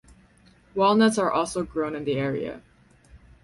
Walnuts are also grown in the area.